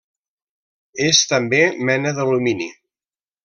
És també mena d'alumini.